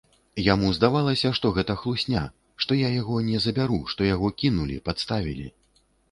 Яму здавалася, што гэта хлусня, што я яго не забяру, што яго кінулі, падставілі.